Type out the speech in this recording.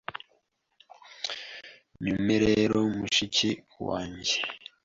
Nyume rero mushiki wenjye